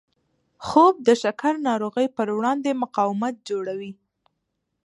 خوب د شکر ناروغۍ پر وړاندې مقاومت جوړوي